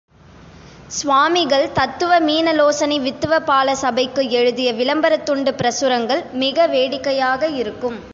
சுவாமிகள் தத்துவ மீனலோசனி வித்துவ பால சபைக்கு எழுதிய விளம்பரத் துண்டுப் பிரசுரங்கள் மிக வேடிக்கையாக இருக்கும்.